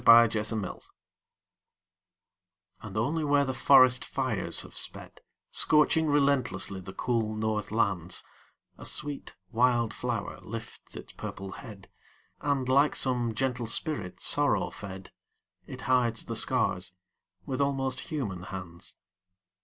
FIRE FLOWERS And only where the forest fires have sped, Scorching relentlessly the cool north lands, A sweet wild flower lifts its purple head, And, like some gentle spirit sorrow fed, It hides the scars with almost human hands.